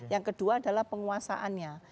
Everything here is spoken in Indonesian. yang kedua adalah penguasaannya